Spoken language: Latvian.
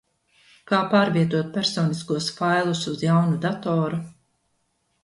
Kā pārvietot personiskos failus uz jaunu datoru?